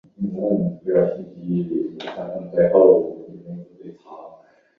贴布试验是一种用来确定是否有特定物质会导致患者过敏性或发炎肌肤。